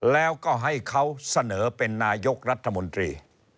แล้วก็ให้เขาเสนอเป็นนายกรัฐมนตรี